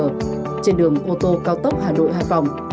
trên đường ô tô cao tốc hà nội hải phòng